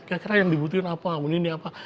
akhirnya yang dibutuhkan apa ini apa